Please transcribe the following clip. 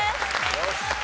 よし。